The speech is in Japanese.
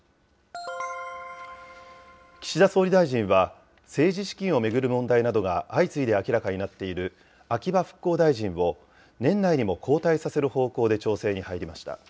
岸田総理大臣は、政治資金を巡る問題などが相次いで明らかになっている秋葉復興大臣を、年内にも交代させる方向で調整に入りました。